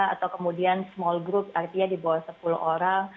atau kemudian small group artinya di bawah sepuluh orang